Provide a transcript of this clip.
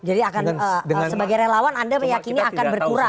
jadi akan sebagai relawan anda meyakini akan berkurang